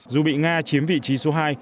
dù bị nga chiếm vị trí số hai